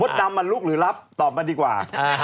ดำมันลุกหรือรับตอบมาดีกว่า